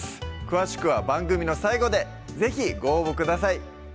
詳しくは番組の最後で是非ご応募ください